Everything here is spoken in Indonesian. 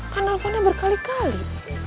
kan nelponnya berkali kali